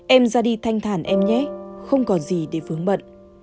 em ra đi thanh thản em nhé không còn gì để vướng mận